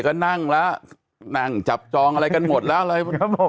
เขานั่งจับจองอะไรกันหมดแล้วเลย